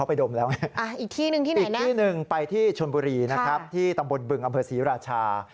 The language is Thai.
ไปที่ชนบุรีที่ตำบลบึงอเมืองสริราชา